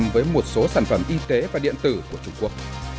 với một số sản phẩm y tế và điện tử của trung quốc